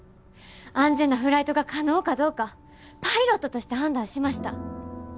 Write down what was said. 安全なフライトが可能かどうかパイロットとして判断しました。